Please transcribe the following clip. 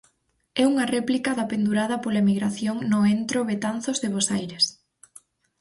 É unha réplica da pendurada pola emigración no entro Betanzos de Bos Aires.